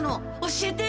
教えて。